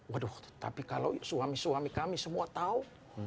waduh tapi kalau suami suami kami semua tahu